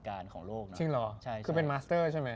จริงหรอคือเป็นมาสเตอร์ใช่ไหม